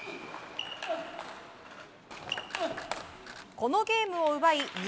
このゲームを奪い２